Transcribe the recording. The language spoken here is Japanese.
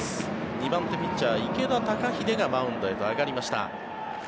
２番手ピッチャー、池田隆英がマウンドへと上がりました。